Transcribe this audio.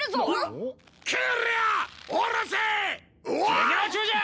授業中じゃ！